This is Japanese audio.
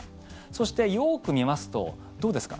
そして、よく見ますとどうですか。